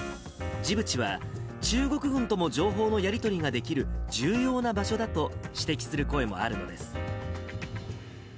ジブチは中国軍とも情報のやり取りができる、重要な場所だと指摘する声もあるのです。